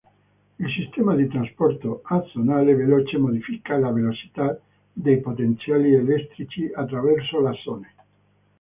Il sistema di trasporto assonale veloce modifica la velocità dei potenziali elettrici attraverso l'assone.